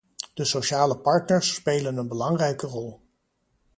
De sociale partners spelen een belangrijke rol.